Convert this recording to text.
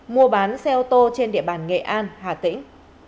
mua bán xe ô tô trên địa bàn nghệ an hà tĩnh